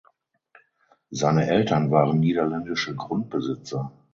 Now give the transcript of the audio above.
Seine Eltern waren niederländische Grundbesitzer.